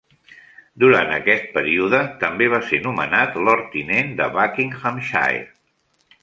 Durant aquest període, també va ser nomenat Lord tinent de Buckinghamshire.